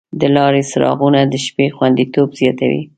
د لارې څراغونه د شپې خوندیتوب زیاتوي.